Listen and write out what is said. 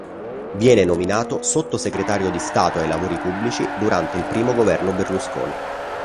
Viene nominato Sottosegretario di Stato ai Lavori Pubblici durante il primo governo Berlusconi.